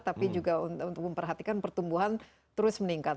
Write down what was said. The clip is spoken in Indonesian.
tapi juga untuk memperhatikan pertumbuhan terus meningkat